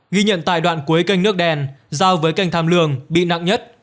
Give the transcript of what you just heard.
ghi nhận tại đoạn cuối kênh nước đen giao với kênh tham lương bị nặng nhất